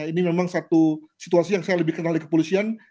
ini memang satu situasi yang saya lebih kenal di kepolisian